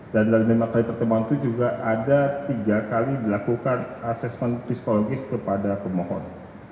dan dalam lima kali pertemuan itu juga ada tiga kali dilakukan asesmen psikologis kepada pemohon